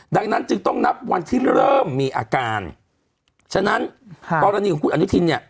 ดังนั้นจึงต้องนับวันที่เริ่มมีอาการฉะนั้นกรณีของคุณอนุทินเนี่ย